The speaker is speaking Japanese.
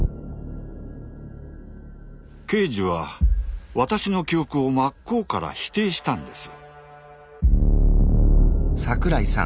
刑事は私の記憶を真っ向から否定したんです。